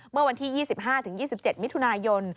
เมื่อวันที่๒๕๒๗มิถุนายน